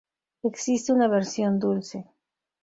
Existe una versión dulce.